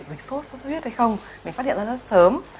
bị sốt sốt huyết hay không mình phát hiện rất là sớm